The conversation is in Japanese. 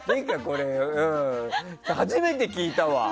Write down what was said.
初めて聞いたわ。